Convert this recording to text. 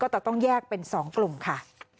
แต่ต้องแยกเป็น๒กลุ่มค่ะ